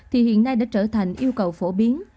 thì hiện nay đã trở thành yêu cầu phổ biến